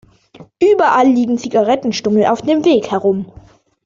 Überall liegen Zigarettenstummel auf dem Weg herum.